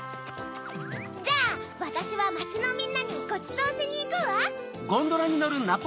じゃあわたしはまちのみんなにごちそうしにいくわ。